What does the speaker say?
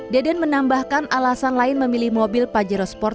deden menambahkan alasan lain memilih mobil pajero sport